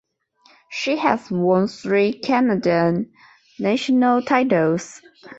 She has won three Canadian National titles.